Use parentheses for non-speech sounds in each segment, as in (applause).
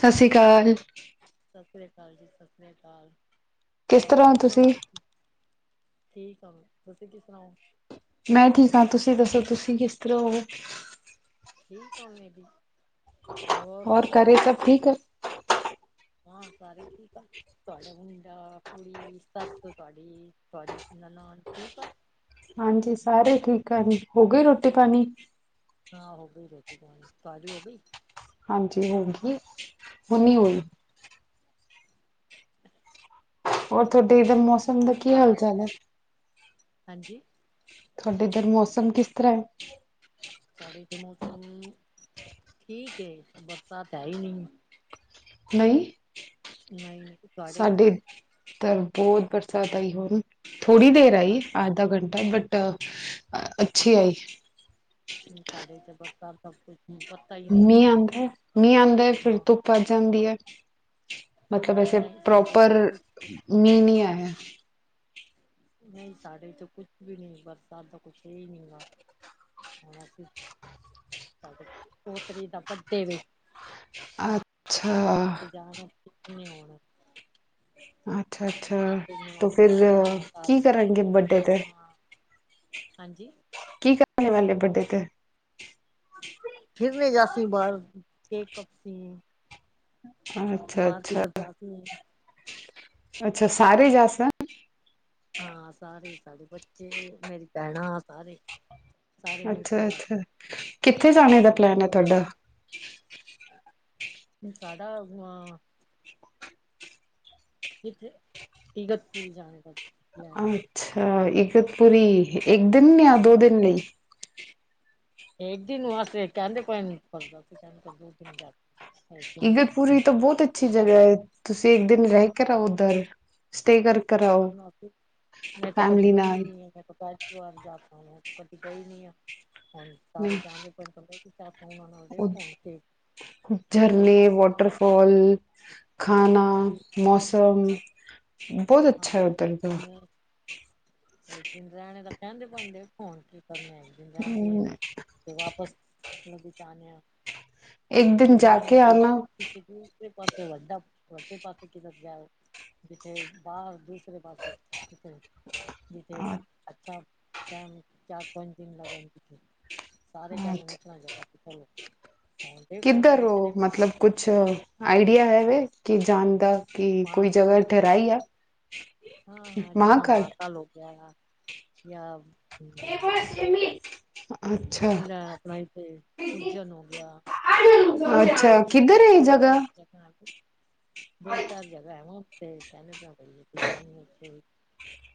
ਸਸ ਰੀ ਕਾਲ। ਸਸ ਰੀਆ ਕਾਲ ਜੀ, ਸਸ ਰੀਆ ਕਾਲ, ਹੋਰ ਕਿਸ ਤਰਾਂ ਓ ਤੁਸੀਂ। ਠੀਕ ਆ, ਤੁਸੀਂ ਕਿਸ ਤਰਾਂ ਓ। ਮੈਂ ਠੀਕ ਆਂ, ਤੁਸੀਂ ਦੱਸੋ ਤੁਸੀਂ ਕਿਸ ਤਰ੍ਹਾਂ ਹੋਵੋ। ਠੀਕ ਆ ਓਹ ਮੇਰੀ, ਹੋਰ ਘਰੇ ਸਭ ਠੀਕ। ਹਾਂ, ਸਾਰੇ ਠੀਕ ਆ। ਤੁਹਾਡਾ ਮੁੰਡਾ-ਕੁੜੀ, ਸੱਸ, ਤੁਹਾਡੀ ਤੁਹਾਡੀ ਨਨਾਣ ਠੀਕ ਆ। ਹਾਂਜੀ ਸਾਰੇ ਠੀਕ ਆ ਜੀ, ਹੋ ਗਏ ਰੋਟੀ-ਪਾਣੀ। ਹਾਂ ਹੋ ਗਈ ਰੋਟੀ-ਪਾਣੀ, ਤਹਾਡੀ ਹੋ ਗਈ। ਹਾਂਜੀ ਹੋ ਗੀ, ਹੁਣੀ ਹੋਈ। ਹੋਰ ਥੋਡੇ ਇਦਰ ਮੌਸ ਕੀ ਖਾਦਾ, ਹਾਂਜੀ। ਥੋਡੇ ਇਧਰ ਮੌਸਮ ਕਿਸ ਤਰ੍ਹਾਂ ਐ। ਸਾਡੇ ਇਥੇ ਮੌਸਮ ਠੀਕ ਏ, ਬਰਸਾਤ ਹੈ ਹੀ ਨਈ ਐ। ਨਹੀਂ। ਨਈ-ਨਈ। ਸਾਡੇ ਤਾਂ ਬਹੁਤ ਬਰਸਾਤ ਆਈ ਹੁਣ, ਥੋੜ੍ਹੀ ਦੇਰ ਆਈ ਹਾਂ ਆਧਾ ਘੰਟਾ, ਬਟ ਅੱਛੀ ਆਈ। ਸਾਡੇ ਇਦਰ ਜ਼ਬਰਦਾਰ ਸਭ ਕੁਛ ਨੀ ਕਰ ਮੀਂਹ ਆਂਦਾ-ਮੀਂਹ ਆਂਦਾ, ਫਿਰ ਹਾਂ ਧੁੱਪ ਆ ਜਾਂਦੀ ਐ। ਮਤਲਬ ਸੇ ਨਹੀਂ ਸਾਡੇ ਇੱਥੇ ਪ੍ਰੋਪਰ ਕੁਛ ਮੀਂਹ ਨੀ ਆਇਆ। ਨਹੀਂ ਸਾਡੇ ਤੇ ਕੁਛ ਵੀ ਨਈ, ਬਰਸਾਤ ਦਾ ਕੁਛ ਹੈਈ ਨਈ ਗਾ। ਹੁਣ ਅਸੀ ਸਾਡੇ ਪੋਤਰੀ ਦਾ ਵੱਡੇ ਵੀ ਅੱਛਾ ਅਸੀਂ ਜਾਣਾ, ਕਿਸੀ ਨੇ ਆਉਣਾ। ਅੱਛਾ ਅੱਛਾ ਉਹਦੀਆਂ ਤੇ ਫਿਰ ਮਾਸੀਆਂ (unintelligible) ਘਰ, ਕੀ ਕਰਾਂਗੇ ਉਹਦੀਆਂ ਬਰਡੇ ਤੇ ਭੈਣਾਂਂ ਹਾਂਜੀ। ਕੀ ਕਰਨੇ ਵਾਲੇ ਵੱਡੇ ਤੇ ਫਿਰ ਵੀ ਅਸੀ ਬਾਹਰ ਕੇਕ ਕੱਪਸੀ। ਅੱਛਾ ਬਾਹਰ ਅੱਛਾ ਕਿਧਰ ਜਾ ਕੇ ਅੱਛਾ, ਸਾਰੇ ਜਾ ਸ ਹਾਂ, ਸਾਰੇ ਸਾਡੇ ਬੱਚੇ ਮੇਰੀ ਭੈਣਾਂ ਸਾਰੇ। ਸਾਰੇ ਮਿਲ ਕੇ ਅੱਛਾ ਜਾਸ ਅੱਛਾ ਨੇ, ਕਿੱਥੇ ਜਾਣੇ ਦਾ ਪਲੈਨ ਓਹੀਓ ਹੈ ਹਾਂ। ਤੁਹਾਡਾ ਸਾਡਾ ਹੂੰ ਆਂ ਕਿੱਥੇ, ਇਗਤਪੁਰੀ ਜਾਣੇ ਦਾ। ਪਲੈਨ ਅੱਛਾ ਇਗਤਪੁਰੀ, ਇੱਕ ਦਿਨ ਜਾਂ ਹਾਂ ਦੋ ਦਿਨ ਲਈ। ਏਕ ਦਿਨ ਵਾਸਤੇ ਕਹਿੰਦੇ ਕੋਈ ਨੀ ਖੁੱਲਦਾ ਓਥੇ, ਕਹਿੰਦੇ ਦੋ ਦਿਨ ਜਾ ਇਗਤਪੁਰੀ ਤਾਂ ਬਹੁਤ ਅੱਛੀ ਜਗ੍ਹਾ ਐ, ਤੁਸੀਂ ਇੱਕ ਦਿਨ ਰਹਿ ਕਰ ਆਓ ਉੱਧਰ। ਸਟੇਅ ਕਰਕਰ ਆਓ, ਫੈਮਲੀ ਨਾਲ। (unintelligible) ਕਟੀ ਪਈ ਨੀ ਆ, ਹੁਣ ਸਾਰੇ ਨਹੀਂ ਜਾਣਦੇ ਪਏ ਨੇ ਚਾਹਦੇ ਸੀ ਆਪਾਂ ਫੋਨ ਆਉਣਾ ਉਹਦੇ ਫੋਨ ਉਹ ਤੇ ਝਰਨੇ (unintelligible) ਖਾਨਾ, ਮੌਸਮ ਬਹੁਤ ਅੱਛਾ ਐ ਓਧਰ ਦਾ। ਇੱਕ ਦਿਨ ਰਹਿਣੇ ਤਾਂ ਕਹਿਣਦੇ ਭੈਣਦੇ ਫੋਨ ਕੀ ਕਰਨਾ, ਇੱਕ ਦਿਨ ਰਹਿਣ ਦੇਨ ਤੇ ਵਾਪਸ ਮਤ ਆਣੇ ਆ, ਤੂੰਹੀ ਜਾਨਾ ਕ ਕੋਈ ਪੀਛੇ ਦੀ ਇੱਕ ਪਾਸੇ ਵੱਡਾ, ਵੱਡੇ ਪਾਸੇ ਕਿਦਰ ਗਿਆ ਓਹ। (inaudible) ਅੱਛਾ। ਟਾਈਮ ਚਾਰ-ਪੰਜ ਦਿਨ ਲਗਣੇ। ਸਾਰੇ ਕਹਿ ਨੂੰ ਨੀ ਸੁਣਾ (unintelligible) ਕਿੱਧਰ ਉਹ ਮਤਲਬ ਕੁਛ ਆਈਡੀਆ ਹੈਵੇ ਕਿ ਜਾਣ ਦਾ ਕਿ ਕੋਈ ਮਹਾਕਾਲ ਜਗ੍ਹਾ ਹੋ ਗਿਆ ਠਹਿਰਾਈ ਆ ਜਿਸ ਹਾਂ ਹਾਂ ਜਿਸ (unintelligible) (unintelligible) ਅੱਛਾ ਲੈ ਆਪਣਾ ਇੱਥੇ ਉਜੈਨ ਹੋ ਗਿਆ। ਅੱਛਾ ਕਾਸ਼ੀ ਤਾਂ ਕਿੱਧਰ ਹੈ ਇਹ ਹੋ ਜਗ੍ਹਾ ਚਾਲ ਦੋ-ਚਾਰ ਜਗ੍ਹਾ ਹੈ ਵ ਉੱਥੇ ਕਹਿੰਦੇ ਪਿਆ ਪਈ ਉੱਥੇ।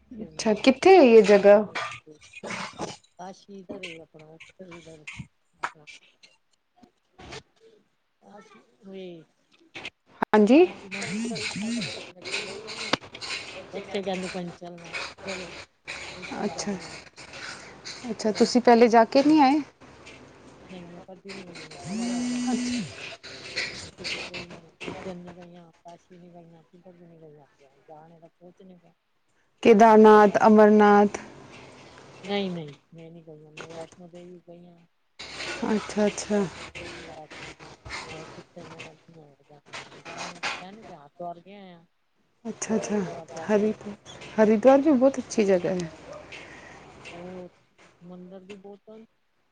ਅੱਛੇ ਹੁੰਦੇ ਅੱਛਾ ਆਪੇ ਕਿੱਥੇ ਆ ਇਹ ਜਗ੍ਹਾ ਸਾਰੇ (unintelligible) (unintelligible) (inaudible) ਹਾਂਜੀ ਬੱਚੇ ਕਹਿੰਦੇ ਭੈ ਚੱਲਣਾ ਚਲੋ ਅੱਛਾ-ਅੱਛਾ ਤੁਸੀਂ ਪਹਿਲੇ ਜਾ ਕੇ ਨਹੀਂ ਆਏ? ਨਹੀਂ ਮੈਂ ਪ ਵੀ ਨਹੀਂ ਗਈ ਹ ਮੈਂ ਪਹਿਲੀ ਵਾਰ ਜਾਣਾ (inaudible) (inaudible) ਕੇਦਾਰਨਾਥ ਅਮਰਨਾਥ ਨਹੀਂ-ਨਹੀਂ ਮੈਂ ਨਹੀਂ ਗਹੀ ਹਾਂ ਮੈਂ ਵੈਸ਼ਨੋ ਦੇਵੀ ਗਈ ਹਾਂ। (unintelligible) (inaudible) ਹੋਰ ਕਿਥੇ ਮੈਂ ਜਾ ਤਾਂ ਕਹਿਣ ਨ ਵਿਹ ਚ ਵਰ ਗ (unintelligible) ਅੱਛਾ ਅੱਛਾ ਹਰਿਦ ਹਰਿਦੁਆਾਰ ਵੀ ਬਹੁਤ ਅੱਛੀ ਜਗ੍ਹਾ ਹੈ ਬਹੁ ਮੰਦਿਰ ਵੀ ਬਹੁਤ ਹਨ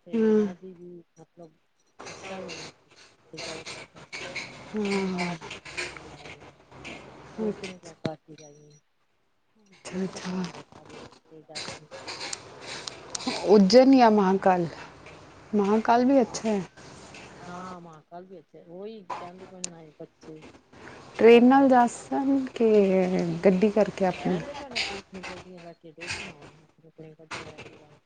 ਤੇ ਨਦੀ ਵੀ ਮਤਲਬ ਅੱਛਾ ਹੋ ਹੋਟਲ (unintelligible) ਆਪਣੇ ਕਾਸ਼ ਸੋਚੈਂ ਕਾਸ਼ੀ ਦੇਖੋ (unintelligible) ਉਜੈਨ ਜਾਂ ਮਹਾਕਾਲ ਮਹਾਕਾਲ ਵੀ ਅੱਛਾ ਐ। ਹਾਂ ਮਾਂ ਕਾਲ ਇਥ ਉਹੀ ਕਹਿੰਦੇ ਕੋਈ ਨ ਬੱਚੇ ਟ੍ਰਰੇਨ ਕੱਲ ਨਾਲ ਜਾਣੇ ਜਾ ਦਾ ਕਹਿੰਦੇ ਸਨ, ਕਿ ਗੱਡੀ ਕਰਕੇ ਆਪਣਾ। ਆਪ ਆਪੀਆਂ ਗੱਡੀਆਂ ਲੈ ਕੇ ਦੇਖੀਆਂ ਉਹ ਆਪ ਆਪਣੀਆਂ ਗੱਆਂ ਲੈ ਕੇ ਜਾਣ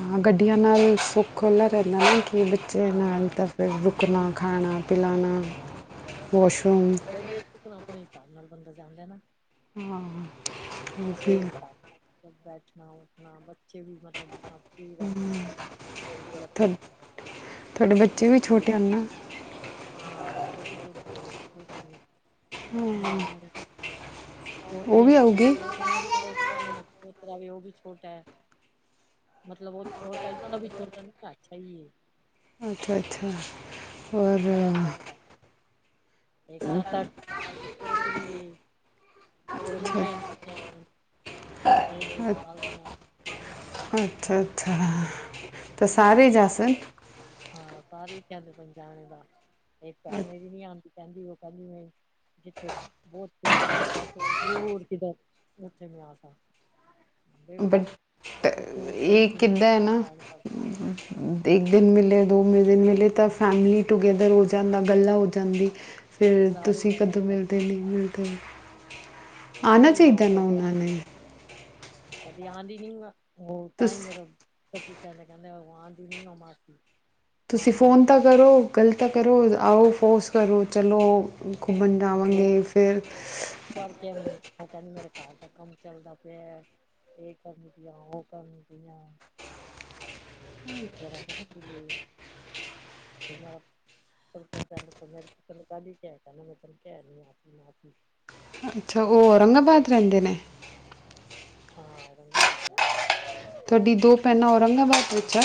ਹਾਂ ਗੱਡੀਆਂ ਨਾਲ ਸੁੱਖ ਜਿਹਾ ਰਹਿੰਦਾ ਵ ਕਿ ਬੱਚੇ ਨਾਲ ਹਾਂ ਤਾਂ ਫਿਰ ਉਹੀ ਰੁਕਣਾ ਨਾ ਖਾਣਾ ਪਿਲਾਨਾ, ਵਾਸ਼ਰੂਮ (unintelligible) ਆਪਣੇ ਹਿਸਾਬ ਨਾਲ ਬੰਦਾ ਜਾਦਾ ਣਾ ਹਾਂ ਕੱਪੜੇ ਵੀ ਪਾ ਮਲਬ ਬੈਠਣਾ ਉੱਠਣਾ ਬੱਚੇ ਵੀ ਮਤਲਬ ਜਿਸ। ਵਧੀਆ ਭਾਈ ਤੁਹਾ- ਤੁਹਾਡੇ ਬੱਚੇ ਵੀ ਛੋਟੇ ਆ ਨਾ ਹਾਂ ਛੋਟੇ ਛੋਟੀਆਂ ਪੋਤਰੀਆਂ ਨੂੰਹ ਰਾਣੀ ਉਹ ਵੀ ਪੋਤਰੀਆਂ ਆਉਗੀ ਪੋਤਰੀਆਂ ਵੀ ਛੋਟੀਆਂ ਹਨ ਪੋਤਰਾ ਵੀ ਉਹ ਵੀ ਛੋਟਾ ਹੈ। ਮਤਲਬ ਉਹ ਛੋਟਾ ਇਤਨਾ ਵੀ ਛੋਰਾ ਨ ਅੱਛਾ ਈ ਐ ਅੱਛਾ-ਅੱਛਾ ਹੋਰ ਇੱਕ ਸਤ ਅੱਠ ਸਾਲ ਦੀ ਪੋਤਰੀ ਏ ਦੋ ਅੱਛਾ ਨੀਕੀਆਂ ਨਿੱਕੀਆਂ ਡੇਢ ਡੇਢ ਸਾਲ ਦੀਆਂ ਅੱਛਾ-ਅੱਛਾ ਤੇ ਸਾਰੇ ਜਾ ਹਾਂ ਸਾਰੇ ਚੱਲ ਪਾਓ ਜਾਣਾ ਤਾਂ ਇਹ (unintelligible) ਆਉਂਦੀ ਕਹਿੰਦੀ ਉਹ ਕਹਿੰਦੀ ਮੈਂ ਜਿੱਥੇ ਬਹੁਤ (unintelligible) ਕਿ ਉੱਥੇ ਮੈਂ ਆਸਾਂ। ਇਹ ਕਿੱਦਾਂ ਹੈ ਨਾ (unintelligible) ਇੱਕ ਦਿਨ ਮਿਲੇ ਦੋ ਦਿਨ ਮਿਲੇ ਤਾਂ ਫੈਮਲੀ ਟੂਗੇੈਦਰ ਹੋ ਜਾਂਦਾ ਗੱਲਾਂ ਹੋ ਜਾਂਦੀ। ਫਿਰ ਸਾਰੇ ਤੁਸੀਂ ਨਹੀਂ ਕਦੋਂ ਕਰਦਾ ਮਿਲਦੇ ਨਹੀਂ ਮਿਲਦੇ। ਆਣਾ ਉਹੀ ਚਾਹੀਦਾ ਉਹ ਨਾ ਕਦੀ ਆ ਉਹਨਾਂ ਨੇ। ਕਦੀ ਆਂਦੀ ਨੀ ਮੈਂ ਹੋ ਤਾਂ ਹੀ ਤੁਸੀਂ ਫੇਰ ਫਿਰ ਕਹਿੰਦੇ ਕਹਿੰਦੇ ਭਗਵਾਨ ਦੀ ਨੀ ਮਾਰਦੀ। ਤੁਸੀਂ ਫੋਨ ਤਾਂ ਕਰੋ, ਗਲਤ ਤਾਂ ਕਰੋ, ਆਓ ਫੋਰਸ ਕਰੋ ਚਲੋ। ਘੁੰਮਣ ਜਾਵਾਂਗੇ ਫਿਰ ਪਰ ਕੇਵੇਂ ਨਹੀਂ ਉਹ ਕਹਿਣ ਮੇਰੇ ਘਰ ਦਾ ਕੰਮ ਚੱਲਦਾ ਪਿਆ। ਇਹ ਕਰਨ ਦੀ ਪਈ ਆ ਉਹ ਕਰਨ ਦੀ ਆ। ਜਿਹੜਾ ਮੁਸ਼ਕਿਲ। (unintelligible) ਅੱਛਾ ਉਹ ਔਰੰਗਾਬਾਦ ਰਹਿੰਦੇ ਨੇ। ਹਾਂ ਔਰੰਗਾਬਾਦ ਰਹਿੰਦੇ ਨੇ। ਤੁਹਾਡੀ ਦੋ ਭੈਣਾਂ ਔਰੰਗਾਬਾਦ ਵਿੱਚ ਆ।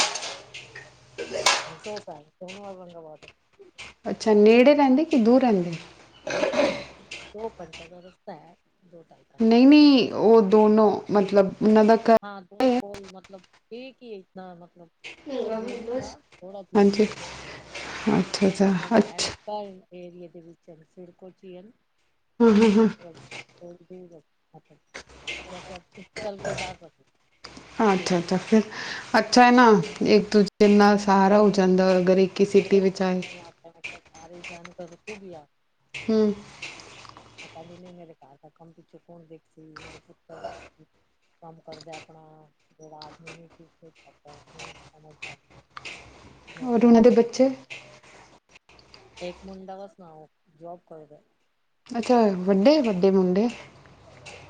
ਦੋ ਭੈਣ ਕਿਹਨੂੰ ਔਰੰਗਗਵਾਦ। ਅੱਛਾ ਨੇੜੇ ਰਹਿੰਦੇ ਕਿ ਦੂਰ ਰਹਿੰਦੇ। ਦੋ ਘੰਟੇ ਦਾ ਰਸਤਾ ਦੋ ਟਾਈ। ਨਹੀਂ-ਨਹੀਂ ਉਹ ਦੋਨੋ, ਮਤਲਬ ਉਹਨਾਂ ਦਾ ਘ ਹਾਂ, ਦੇ ਕੋਲ ਮਤਲਬ ਠੀਕ ਹੀ ਇਤਨਾ ਮਤਲਬ ਦੂਰ ਨਹੀਂ ਗਾ ਥੋੜਾ ਦੂਰ ਹਾਂਜੀ ਅੱਛਾ ਅੱਛਾ ਮਤਲਬ ਇਹੀ। ਅੱਛਾ ਘਰ ਏਰੀਏ ਦੇ ਵਿੱਚ (unintelligible) (unintelligible) ਅੱਛਾ-ਅੱਛਾ ਫਿਰ। ਅੱਛਾ ਹੈ ਨਾ। ਇੱਕ ਦੂਜੇ ਨਾਲ ਸਹਾਰਾ ਹੋ ਜਾਂਦਾ ਅਗਰ ਇੱਕ ਹੀ ਸਿਟੀ ਵਿੱਚ ਆਏ। ਮੈਂ ਕਿਹਾ ਸਾਰੇ ਜਾਨ ਕੇ ਤੂੰ ਵੀ ਆ। ਹੂੰ, ਪਤਾ ਨਹੀਂ ਮੇਰੇ ਘਰ ਦਾ ਕੰਮ ਪਿੱਛੇ ਕੌਣ ਦੇਖਤੀ? ਮੇਰਾ ਪੁੱਤਰ ਕੰਮ ਕਰਦਾ ਆਪਣਾ ਜਿਹੜਾ ਆਦਮੀ (unintelligible) (inaudible) ਔਰ ਉਹਨਾਂ ਦੇ ਅੱਖਾਂ ਬੱਚੇ। ਦੱਸਾਂ ਇੱਕ ਮੁੰਡਾ ਵਸਣਾਓ ਜੋਬ ਕਰਦਾ। ਅੱਛਾ, ਵੱਡੇ-ਵੱਡੇ ਮੁੰਡੇ।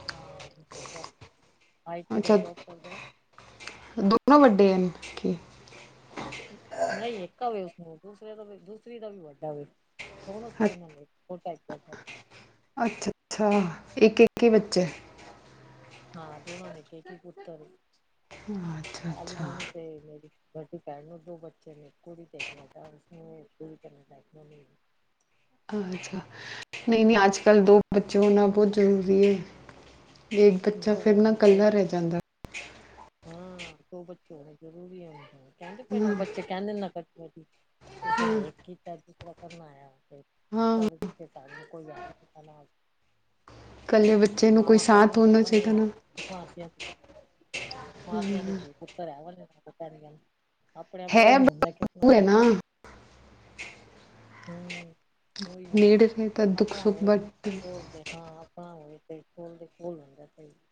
ਹਾਂ (unintelligible) ਦਾ ਜੋਬ ਕਰਦਾ। ਦੋਨੋ ਵੱਡੇ ਹਨ। ਕੀ ਨਹੀਂ, ਇੱਕ ਹੋਵੇ ਉਸਨੂੰ ਦੂਸਰੇ ਦਾ ਦੂਸਰੀ ਦਾ ਵੀ ਵੱਡਾ ਹੋਵੇ। ਦੋਨੋ ਸੇਮ ਹੋ ਗਏ ਦੋ-ਢਾਈ ਸੋ। ਅੱਛਾ-ਅੱਛਾ ਇੱਕ-ਇੱਕ ਹੀ ਬੱਚੇ। ਹਾਂ ਦੋਨੋ ਨੇ ਖੇਤੀ ਪੁੱਤਰ ਅੱਛਾ ਅੱਛਾ ਅਲੀਮੋਨੀ ਤੇ ਮੇਰੀ। ਅਗਰ ਪਹਿਲੇ ਦੋ ਬੱਚੇ ਨੇ ਇੱਕ ਕੁੜੀ ਤੇ ਇੱਕ ਮੁੰਡਾ (unintelligible) ਅੱਛਾ ਨਹੀਂ-ਨਹੀਂ ਅੱਜ ਕੱਲ੍ਹ ਦੋ ਬੱਚੇ ਹੋਣਾ ਬਹੁਤ ਜ਼ਰੂਰੀ ਐ। ਇੱਕ ਬੱਚਾ ਦੋ ਫੇਰ ਨਾ ਇਕੱਲਾ ਰਹਿ ਜਾਂਦਾ। ਹਾਂ ਦੋ ਬੱਚੇ ਹੋਣੇ ਜ਼ਰੂਰੀ ਕਹਿੰਦੇ ਪਹਿਲੇ ਬੱਚੇ ਕਹਿੰਦੇ ਨਾਂ ਕਿਸੇ ਨੇ ਇੱਕ ਕੀਤਾ ਦੂਸਰਾ ਕਰਨ ਆਇਆ ਫਿਰ। ਕਰ ਕੇ ਸਾ ਕੋਈ ਆਇਆ ਨਾ। ਮਾਵਾਂ ਕਹਿਣੀਆਂ ਉਹਨੇ। ਮਾਸੀਆਂ ਦੇ ਧੀ ਪੁੱਤਰ (unintelligible) ਨੀ ਕਹਿੰਦੇ। ਆਪਣੇ-ਆਪਣੇ ਹੈ ਹੀ ਆਂਦਾ ਉਹ ਹੈ ਨਾ (unintelligible) ਕੋਈ ਨਾ ਨੀਡ ਹੈ ਤਾਂ ਦੁੱਖ ਆਪਣਾ ਸੁੱਖ ਬਟ ਹੋਵੇ ਦੇ ਹਾਂ ਆਪਣਾ ਹੋਵੇ। (unintelligible)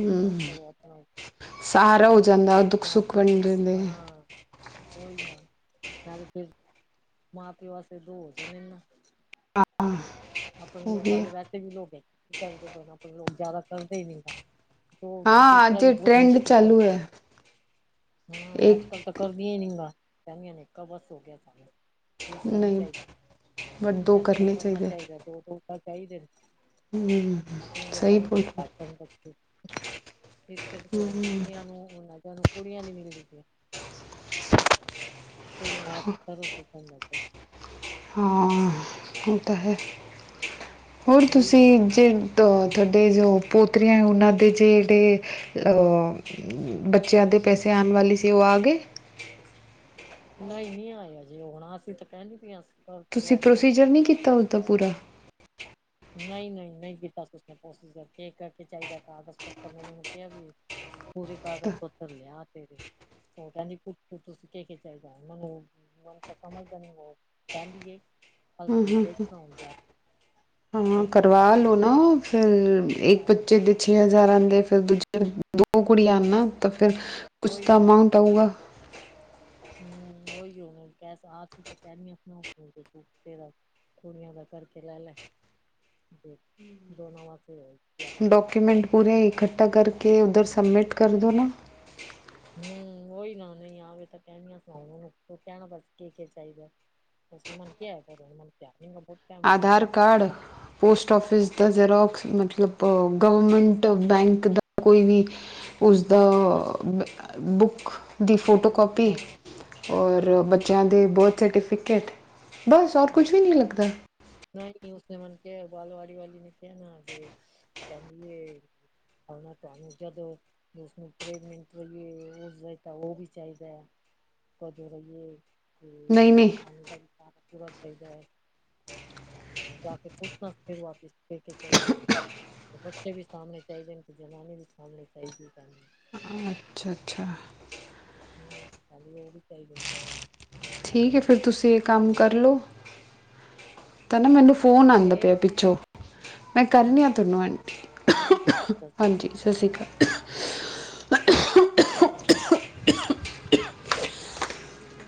ਕਿਤਨਾ ਵੀ ਕਰੋ ਆਪਣਾ ਸਹਾਰਾ ਹੋ ਜਾਂਦਾ ਦੁੱਖ-ਸੁੱਖ ਬਣੇ ਰਹਿੰਦੇ। ਕੋਈ ਨਾ, ਨਾਲ ਤੇ ਫੇਰ, ਮਾਂ-ਪਿਓ ਵਾਸਤੇ ਦੋ ਹੋ ਜਾਣੇ। ਆ, ਆਪਣੇ ਹੋ ਲੋਕਾਂ ਗਿਆ ਦੇ ਬਹਿਸ ਵੀ ਲੋਕ ਕੀ, ਕਰਦੇ ਪੈਣਾ ਆਪਣੇ ਲੋਕ ਜ਼ਿਆਦਾ ਕਰਦੇ ਹੀ ਨਹੀਂ ਕੰਮ। ਦੂਸਰਾ ਵੀ ਬਹੁਤ ਮੁਸ਼ਕਿਲ ਕਰ ਤਾਹਾਂ, ਜ ਕੱਲ ਤਾਂ ਕਰ। ਵੀ ਨੀ ਕਹਿੰਦੀਆਂ, ਨੇ ਇੱਕ ਬਸ ਹੋ ਗਿਆ ਸਾਨੂੰ। ਦੂਸਰਾ ਨੀ ਚਾਹੀਦਾ ਵੈਸੇ। ਤਾਂ ਕਰਨਾ ਚਾਹੀਦੇ ਨੇ ਆਪਣੇ ਲੋਕਾਂ ਸਹੀ ਦੇ ਬੋਲ ਬਹੁਤ ਰਹੇ ਹੋ। ਘੱਟ ਨੇ ਕੱਚੇ। ਇਸ ਕੁੜੀਆਂ ਨੂੰ-ਨੂੰ ਕੁੜੀਆਂ ਨੀ ਮਿਲਦੀ ਸੀ ਚੋੜੀਆਂ ਵਸ ਸਰਰਜ਼ ਹਾਂ। ਉਹ ਤਾਂ ਹੈ ਹੋਰ ਪਏ ਉਹੀ ਤੁਸੀਂ ਨਾ ਜੇ। ਤੁਹਾਡੇ ਜੋ ਪੋਤਰੀਆਂ ਉਹਨਾਂ ਦੇ ਜੇ ਜਿਹੜੇ ਬੱਚਿਆਂ ਦੇ ਪੈਸੇ ਆਉਣ ਵਾਲੀ ਸੀ ਉਹ ਆ ਗਏ। ਨਹੀਂ-ਨਹੀਂ ਆਇਆ ਜੀ, ਹੁਣ ਅਸੀਂ ਤਾਂ ਪਹਿਲੀ ਪੀਆ ਸੀ। ਤੁਸੀਂ ਪ੍ਰੋਸੀਜਰ ਨਹੀਂ ਕੀਤਾ ਉਸਦਾ ਪੂਰਾ। ਨਹੀਂ-ਨਹੀਂ-ਨਹੀਂ ਕੀਤਾ ਕੁਨੇ ਕੋਸ਼ਿਸ਼ ਕਰਕੇ ਇਹ ਕਰਕੇ ਚਾਹੀਦਾ ਕਾਗਜ਼ ਪੱਤਰ ਮੈਨ ਕਿਹਾਿਆ ਵੀ ਪੂਰੇ ਤਾਂ, ਕਾਗਜ਼ ਪੱਤਰ ਲਿਆ ਤੇਰੇ ਫਟ-ਕੁੂਟ-ਫੂਟ ਸੁਖੇ ਖਿਚ ਜਾ ਮਨੂੰ। ਤਾਂ ਸਮਝਦਾ ਨਹੀਂ ਉਹ, ਕਹਿੰਦੀ ਏ ਹਲ ਹਾਂ ਹਾਂ ਦੇਖ ਜਾ। ਹਾਂ। ਕੇ ਕਹਿੰਦੀ ਕਰਵਾ ਲਓ ਬਾਈ ਨਾ ਫਿਰ ਇੱਕ ਕਰਾ ਕੇ ਬੱਚੇ ਦੇ। ਛੇ ਹਜ਼ਾਰ ਆਉਂਦੇ, ਫਿਰ ਦੂਜੇ ਦੋ ਕੁੜੀ ਆ ਉਂ ਨਾ। ਤਾਂ ਫਿਰ ਹਾਂ ਕੁਛ ਉਹੀ ਤਾਂ ਨਾ ਅਮਾਊਂਟ ਆਊਗਾ। ਹਮ, ਉਹੀ ਹੋਨ ਕ ਆਪ ਤਾਂ ਕਹਿ ਆਪਣਾਰਾ। ਕੁੜੀਆਂ ਦਾ ਕਰਕੇ, ਲੈ-ਲੈ ਦੋਨੋ ਵਾਸਤੇ। ਡਾਕੂਮੈਂਟ ਪੂਰੇਏ ਇਕੱਠਾ ਕਰਕੇ ਉੱਧਰ ਸਬਮਿਟ ਕਰ ਦਿਉ ਨਾ। ਹਮ ਉਓਹੀ ਨਾ ਨਹੀਂ, ਆਵੇ ਤਾਂ ਕਹਿਣੀੀਆਂ ਸੁਣਾ ਕਹਿਣਾ ਬਸ ਕੀ ਕੀ ਚਾਹੀਦਾ। ਬਸਲ ਮਾਨ ਕੀ ਆ ਹੈ ਬ ਪਿਆ ਬਹੁਤ। ਆਧਾਰ ਕਾਰਡ। ਪੋਸਟ ਆਫਿਸ ਦਾ ਜ਼ਰਾਕਸ ਮਤਲਬ ਗਵਰਮੈਂਟ ਬੈਂਕ ਦਾ ਕੋਈ ਵੀ। (unintelligible) ਉਸਦਾ ਬੁੱਕ ਦੀ ਫੋਟੋ ਕਾਪੀ। ਔਰ ਬੱਚਿਆਂ ਦੇ ਬਰਥ ਸਰਟੀਫਿਕੇਟ। ਬਸ ਹੋਰ ਕੁਛ ਵੀ ਨਹੀਂ ਲੱਗਦਾ। ਨਹੀਂ- ਨਹੀਂ ਮੁਸਲਮਾਨ ਕਿਹਾ ਬਾਲਵਾੜੀ ਵਾਲੀ ਨੇ ਕਿਹਾ ਨਾ। ਜੇ ਕਦੀਏ ਕਰਣਾ ਤਾਂਨੂੰ ਜਦੋਂ ਉਸਨੂੰ ਪ੍ਰੇਗਨੈਂਟ ਵਏ ਉਸਦਾ ਤਾਂ ਉਹ ਵੀ ਚਾਹੀਦਾ ਆ। ਕੋਦ ਰਹੀ ਨਹੀਂ ਦਵਾ ਨਹੀਂ ਖ ਦ ਤੁਰਤ ਪੈ ਗਏ। ਜਾ ਕੇਰ ਪੁੱਛਣਾ। ਫਿਰ ਵਾਪਿਸ ਫਿਰ ਕੇ ਚਾਦਾ ਬੱਚੇ ਵੀ ਸਾਹਮਣੇ ਚਾਹੀਦੇ ਜਨਾਨੀ ਵੀ ਸਾਹਮਣੇ ਚਾਹੀਦੀ। ਅੱਛਾ-ਅੱਛਾ ਹਮ, ਕੱਲ ਯੋਗੀ ਚਈ ਸ ਨੂੰ ਠੀਕ ਹੈ ਫੇਰ, ਤੁਸੀਂ ਇਹ ਕੰਮ ਕਰਲੋ। ਤਾਂ ਨਾ ਮੈਨੂੰ ਫ਼ੋਨ ਆਉਂਦਾ ਦੇਖ ਪਿਆ ਪਿੱਛੋਂ। ਮੈਂ ਕਰਨੀ ਹਾਂ ਤੁਹਾਨੂੰ ਹਾਂਜੀ ਹਾਂਜੀ ਆਂਟੀ। ਦੱਸੋ ਹਾਂਜੀ। ਸਤਿ ਸ਼੍ਰੀ ਅਕਾਲ। ਠੀ